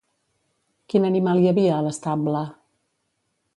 Quin animal hi havia a l'estable?